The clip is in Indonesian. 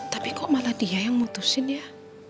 tapi kok mata dia yang mutusin ya